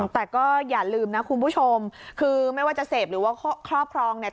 แต่ก็อย่าลืมนะคุณผู้ชมคือไม่ว่าจะเสพหรือว่าครอบครองเนี่ย